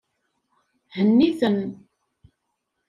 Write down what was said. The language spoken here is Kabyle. Henni-ten.